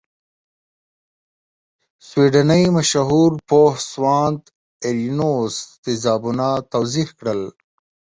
سویډنۍ مشهور پوه سوانت ارینوس تیزابونه توضیح کړل.